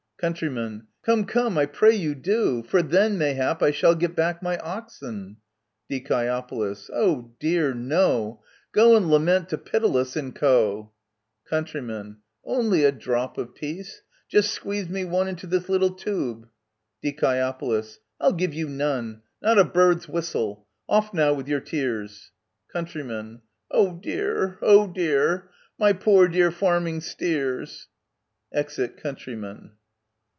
Count Come ! come ! I pray you, do ! for then, mayhap, I shall get back my oxen ! Die. Oh dear no ! Go and lament to Pittalus.and Co !* Count Only a drop of peace ! Just squeeze me one Into this little tube. Die. I'll give you none ! Not a bird's whistle ! OfF now, with your tears ! Count. Oh dear ! oh dear ! my poor dear farming steers ! [Exit Countryman.